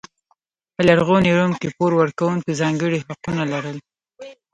په لرغوني روم کې پور ورکوونکو ځانګړي حقونه لرل.